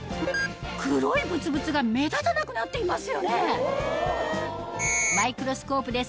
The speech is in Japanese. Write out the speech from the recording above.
黒いブツブツが目立たなくなっていますよね